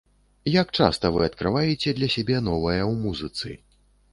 Як часта вы адкрываеце для сябе новае ў музыцы?